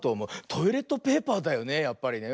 トイレットペーパーだよねやっぱりね。